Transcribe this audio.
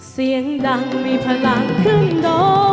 เสียงดังมีพลังครึ่งโลก